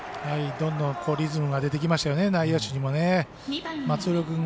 どんどんリズムが出てきましたよね。